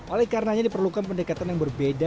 oleh karenanya diperlukan pendekatan yang berbeda